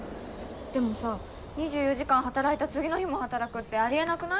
でもさ２４時間働いた次の日も働くってあり得なくない？